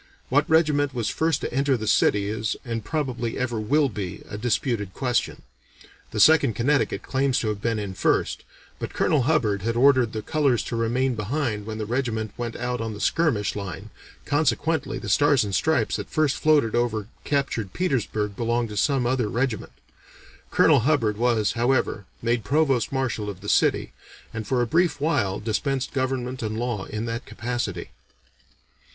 What regiment was first to enter the city is and probably ever will be a disputed question. The Second Connecticut claims to have been in first, but Colonel Hubbard had ordered the colors to remain behind when the regiment went out on the skirmish line, consequently the stars and stripes that first floated over captured Petersburg belonged to some other regiment. Colonel Hubbard was, however, made Provost Marshal of the city, and for a brief while dispensed government and law in that capacity."